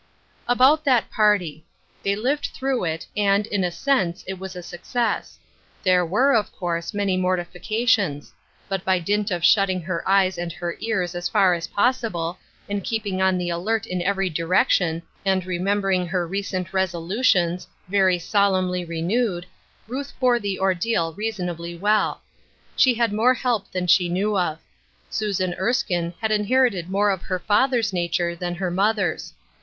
About that party. They lived through it, and, in a sense, it was a success. There were, of course, many mortifications ; but by dint of shutting her eyes and her ears as far as possible, and keeping on the alert in every direction, and remembering her recent resolutions, very sul emnly renewed, Ruth bore the ordeal reasonably well. She had more help than she knew of. Susan Erskine had inherited more of her father's nature than her mother's.